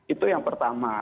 itu yang pertama